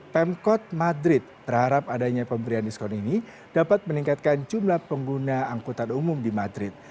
pemkot madrid berharap adanya pemberian diskon ini dapat meningkatkan jumlah pengguna angkutan umum di madrid